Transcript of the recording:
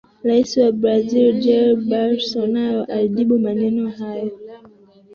Rais wa Brazil Jair Bolsonaro alijibu maneno hayo ya